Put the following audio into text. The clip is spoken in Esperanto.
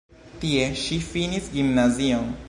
Tie ŝi finis gimnazion.